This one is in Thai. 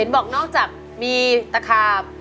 บอกนอกจากมีตะขาบ